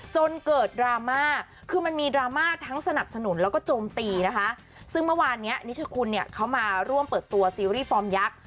จนเกิดดราม่าคือมันมีดราม่าทั้งสนับสนุนแล้วก็โจมตีนะคะซึ่งเมื่อวานเนี้ยนิชคุณเนี่ยเขามาร่วมเปิดตัวซีรีส์ฟอร์มยักษ์